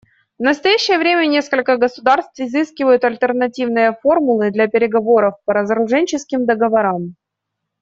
В настоящее время несколько государств изыскивают альтернативные формулы для переговоров по разоруженческим договорам.